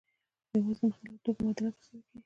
یوازې د مختلفو توکو مبادله ترسره کیږي.